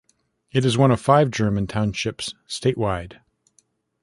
It is one of five German Townships statewide.